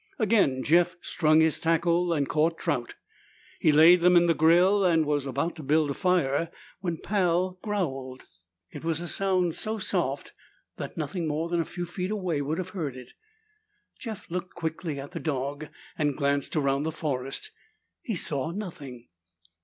Again Jeff strung his tackle and caught trout. He laid them in the grill and was about to build a fire when Pal growled. It was a sound so soft that nothing more than a few feet away would have heard it. Jeff looked quickly at the dog and glanced around the forest. He saw nothing.